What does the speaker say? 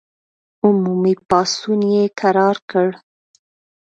عمومي پاڅون یې کرار کړ.